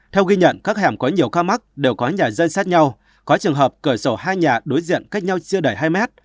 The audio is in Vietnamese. theo ghi nhận các hẻm có nhiều ca mắc đều có nhà dây sát nhau có trường hợp cửa sổ hai nhà đối diện cách nhau chưa đầy hai mét